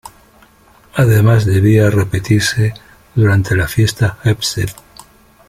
Además, debía repetirse durante la fiesta Heb Sed.